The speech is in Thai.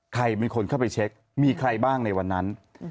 ใครเป็นคนเข้าไปเช็คมีใครบ้างในวันนั้น